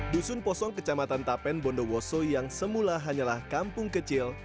dusun posong kecamatan tapen bondowoso yang semula hanyalah kampung kecil